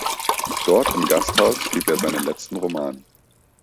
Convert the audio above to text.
Dort im Gasthaus schrieb er seinen letzten Roman.